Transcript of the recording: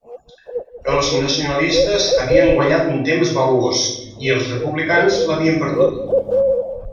Els nacionalistes havien guanyat un temps valuós i els republicans l'havien perdut.